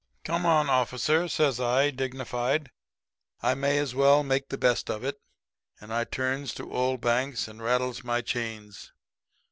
"'Come on, officer,' says I, dignified. 'I may as well make the best of it.' And then I turns to old Banks and rattles my chains.